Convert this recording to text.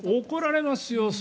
怒られますよ。